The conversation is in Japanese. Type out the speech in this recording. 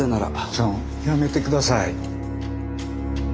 ちょやめてください。